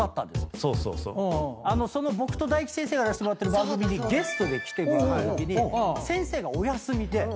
その僕と大吉先生がやらせてもらってる番組にゲストで来てもらったときに先生がお休みで。